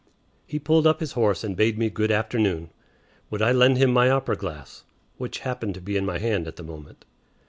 He pulled up his horse and bade me good afternoon. Would I lend him my opera glass, which happened to be in my hand at the moment?